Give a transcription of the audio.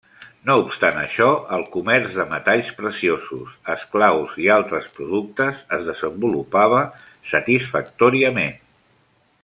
No obstant això, el comerç de metalls preciosos, esclaus i altres productes es desenvolupava satisfactòriament.